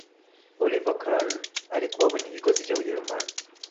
oliver kahn alikuwa kwenye kikosi cha ujerumani